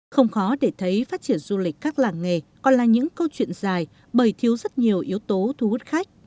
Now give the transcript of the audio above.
không khó để thấy phát triển du lịch các làng nghề còn là những câu chuyện dài bởi thiếu rất nhiều yếu tố thu hút khách